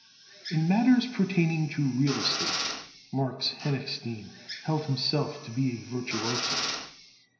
In matters pertaining to real estate Marks Henochstein held himself to be a virtuoso.